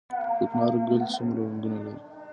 کوکنارو ګل څومره رنګونه لري؟